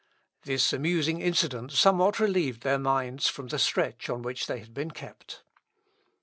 This amusing incident somewhat relieved their minds from the stretch on which they had been kept.